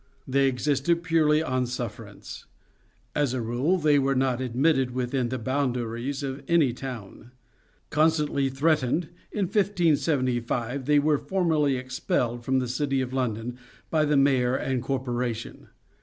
They existed purely on suffer ance. As a rule they were not admitted within the boundaries of any town. Constantly threat ened, in 1575 they were formally expelled from the City of London by the Mayor and Cor poration.